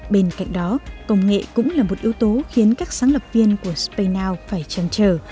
bên cạnh đó công nghệ cũng là một yếu tố khiến các sáng lập viên của spaynow phải chăn trở